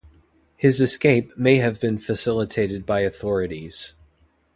His escape may have been facilitated by authorities.